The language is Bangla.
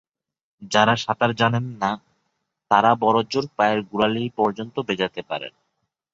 যাঁরা সাঁতার জানেন না, তাঁরা বড়জোর পায়ের গোড়ালি পর্যন্ত ভেজাতে পারেন।